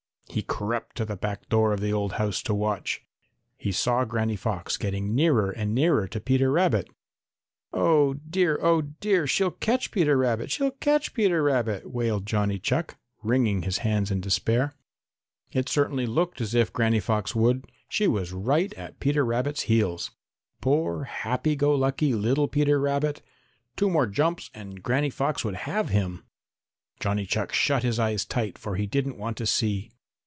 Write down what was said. He crept to the back door of the old house to watch. He saw Granny Fox getting nearer and nearer to Peter Rabbit. "Oh, dear! Oh, dear! She'll catch Peter Rabbit! She'll catch Peter Rabbit!" wailed Johnny Chuck, wringing his hands in despair. It certainly looked as if Granny Fox would. She was right at Peter Rabbit's heels. Poor, happy go lucky, little Peter Rabbit! Two more jumps and Granny Fox would have him! Johnny Chuck shut his eyes tight, for he didn't want to see.